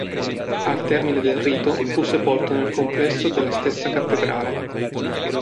Al termine del rito fu sepolto nel complesso della stessa cattedrale.